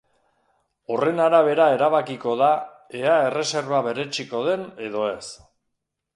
Horren arabera erabakiko da ea erreserba berretsiko den edo ez.